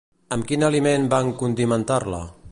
Amb quin aliment van condimentar-la?